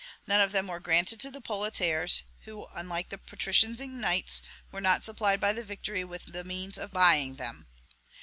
None of them were granted to the proletaires, who, unlike the patricians and knights, were not supplied by the victory with the means of buying them.